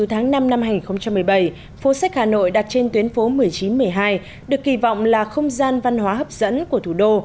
hà nội đặt trên tuyến phố một mươi chín một mươi hai được kỳ vọng là không gian văn hóa hấp dẫn của thủ đô